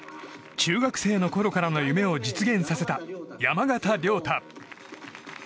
中学生のころからの夢を実現させた山縣亮太。